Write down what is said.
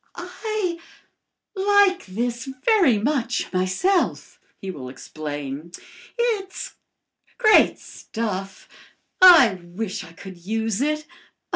"I like this very much myself," he will explain. "It's great stuff. I wish I could use it.